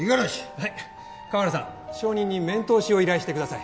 はい河原さん証人に面通しを依頼してください